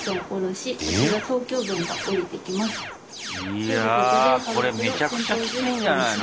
いやこれめちゃくちゃきついんじゃないの？